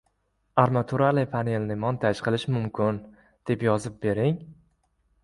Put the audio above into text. armaturali panelni montaj qilish mumkin, deb yozib bering.